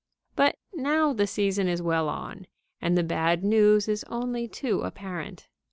But now the season is well on, and the bad news is only too apparent.